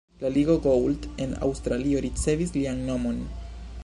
La Ligo Gould en Aŭstralio ricevis lian nomon.